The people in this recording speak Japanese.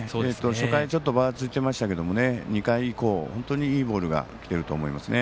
初回ちょっとばたついてましたけど２回以降、本当にいいボールがきてると思います。